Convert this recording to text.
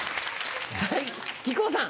はい木久扇さん。